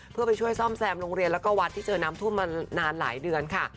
เพื่อไปช่วยซ่อมแซมโรงเรียนแล้วก็วัดที่เจอน้ำท่วมมานานหลายเดือนค่ะ